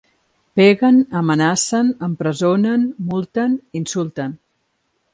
Peguen, amenacen, empresonen, multen, insulten.